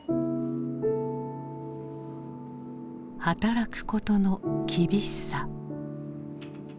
働くことの厳しさ。